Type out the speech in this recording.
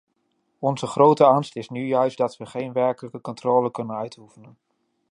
Onze grote angst is nu juist dat we geen werkelijke controle kunnen uitoefenen.